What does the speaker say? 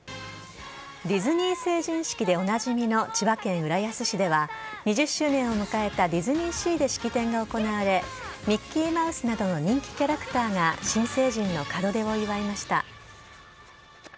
ディズニー成人式でおなじみの千葉県浦安市では、２０周年を迎えたディズニーシーで式典が行われ、ミッキーマウスなどの人気キャラクターが新成人の門出を祝いました。